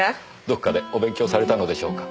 どこかでお勉強されたのでしょうか？